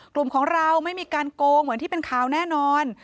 กลุ่มของเราไม่มีการโกงเหมือนที่เป็นข่าวแน่นอน